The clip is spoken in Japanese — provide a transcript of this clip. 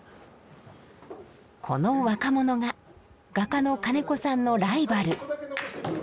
この若者が画家の金子さんのライバル。